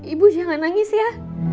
ibu jangan nangis ya